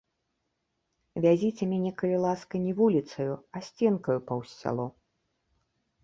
Вязіце мяне, калі ласка, не вуліцаю, а сценкаю паўз сяло.